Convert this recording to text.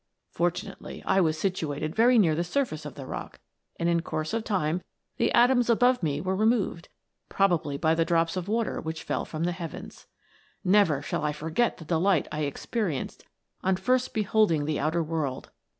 Fortunately I was situated very near the surface ot the rock, and in course of time the atoms above me were removed, probably by the drops of water which fell from the heavens. " Never shall I forget the delight I experienced on first beholding the outer world